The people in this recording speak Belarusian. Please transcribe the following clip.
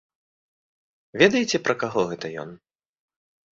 Ведаеце, пра каго гэта ён?